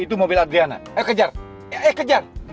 itu mobil adriana ayo kejar eh kejar